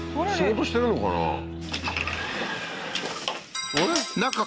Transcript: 仕事してるのかな？